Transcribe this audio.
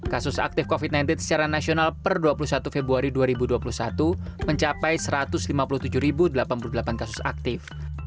kasus aktif covid sembilan belas secara nasional per dua puluh satu februari dua ribu dua puluh satu mencapai satu ratus lima puluh tujuh delapan puluh delapan kasus aktif